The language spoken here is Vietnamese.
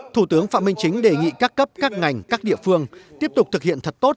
thủ tướng phạm minh chính đề nghị các cấp các ngành các địa phương tiếp tục thực hiện thật tốt